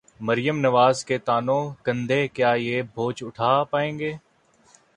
مریم نواز کے ناتواں کندھے، کیا یہ بوجھ اٹھا پائیں گے؟